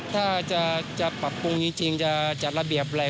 ถ้าจะปรับปรุงจริงจะจัดระเบียบอะไร